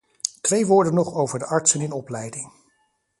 Twee woorden nog over de artsen in opleiding.